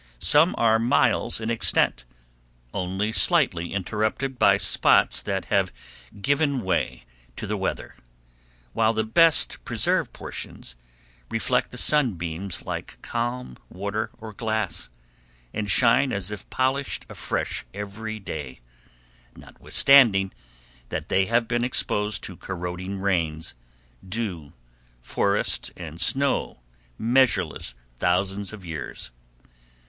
Some are miles in extent, only slightly interrupted by spots that have given way to the weather, while the best preserved portions reflect the sunbeams like calm water or glass, and shine as if polished afresh every day, notwithstanding they have been exposed to corroding rains, dew, frost, and snow measureless thousands of years.